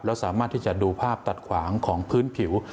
แล้วสามารถที่จะดูภาพตัดขวางของพื้นผิว